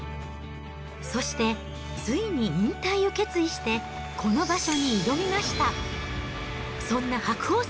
そしてついに引退を決意して、この場所に挑みました。